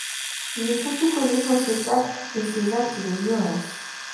Il est surtout connu pour ses tacles et ses actes de violence.